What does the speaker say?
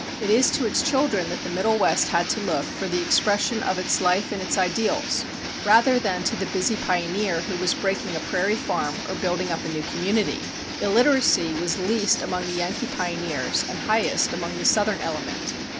It is to its children that the Middle West had to look for the expression of its life and its ideals rather than to the busy pioneer who was breaking a prairie farm or building up a new community. Illiteracy was least among the Yankee pioneers and highest among the Southern element.